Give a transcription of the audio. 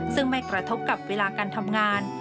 ซึ่งไม่กระทบกับเวลาการทำงาน